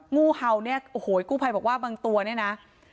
งู่เห่านี่กู้ไพบอกว่าบางตัวนี่นะ